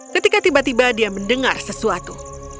ketika tiba tiba dia mendengar sesuatu